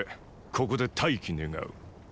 ここで待機願う。